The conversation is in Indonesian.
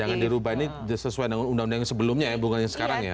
jangan dirubah ini sesuai dengan undang undang yang sebelumnya ya bukan yang sekarang ya